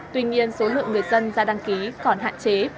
tuy nhiên số lượng người dân ra đăng ký còn hạn chế